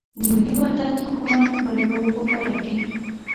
د ملي وحدت حکومت بریاوو په باره کې.